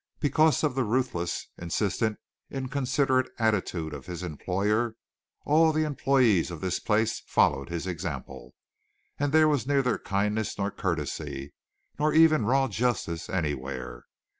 Because of the ruthless, insistent, inconsiderate attitude of this employer, all the employees of this place followed his example, and there was neither kindness nor courtesy nor even raw justice anywhere.